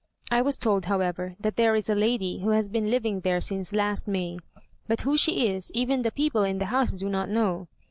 I was told, however, that there is a lady who has been living there since last May, but who she is even the people in the house do not know.